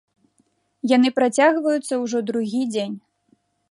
Яны працягваюцца ўжо другі дзень.